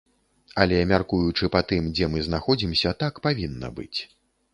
Але, мяркуючы па тым, дзе мы знаходзімся, так павінна быць.